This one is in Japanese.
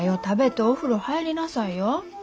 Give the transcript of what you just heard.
食べてお風呂入りなさいよ。